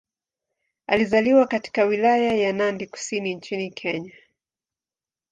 Alizaliwa katika Wilaya ya Nandi Kusini nchini Kenya.